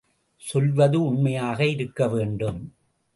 சொல்வது உண்மையாக இருக்க வேண்டும்!